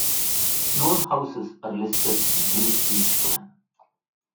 Known houses are listed beneath each clan.